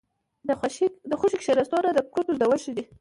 ـ د خوشې کېناستو نه د کرتو زدولو ښه دي.